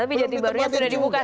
tapi jati baru sudah dibuka sekarang